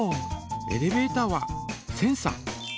エレベータはセンサ